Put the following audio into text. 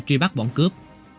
truy bắt bọn cướp